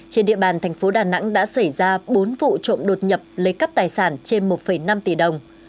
trên địa bàn thành phố đà nẵng đã xảy ra bốn vụ trộm đột nhập lấy cắp tài sản trên một năm tỷ đồng